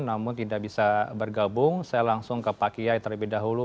namun tidak bisa bergabung saya langsung ke pak kiai terlebih dahulu